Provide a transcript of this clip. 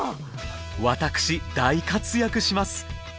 私大活躍します！